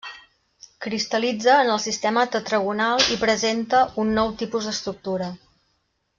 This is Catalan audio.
Cristal·litza en el sistema tetragonal i presenta un nou tipus d'estructura.